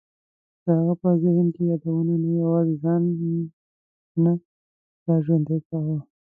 د هغه په ذهن کې یادونو نه یوازې ځان نه را ژوندی کاوه.